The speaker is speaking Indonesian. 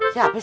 siapa sih lo